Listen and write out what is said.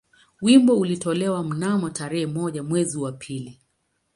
Wimbo ulitolewa mnamo tarehe moja mwezi wa pili